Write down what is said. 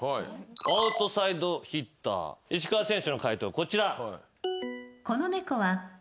アウトサイドヒッター石川選手の解答こちら。